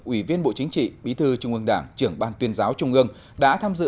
ủy viên bộ chính trị bí thư trung ương đảng trưởng ban tuyên giáo trung ương đã tham dự